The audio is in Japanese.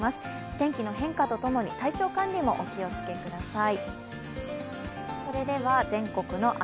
天気の変化とともに、体調管理もお気をつけください。